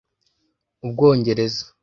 u Bwongereza)